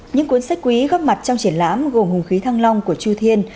những cuốn sách quý góp mặt trong triển lãm gồm hùng khí thăng long của chu thiên